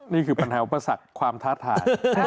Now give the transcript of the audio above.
นี่คือปัญหาอุปสรรคชีวิตความท้าฐาน